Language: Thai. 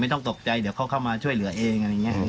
ไม่ต้องตกใจเดี๋ยวเขาเข้ามาช่วยเหลือเอง